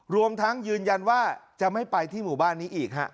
รวมทั้งยืนยันว่าจะไม่ไปที่หมู่บ้านนี้อีกฮะ